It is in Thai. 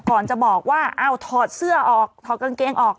ก่อนจะบอกว่าเอาถอดเสื้อออกถอดกางเกงออก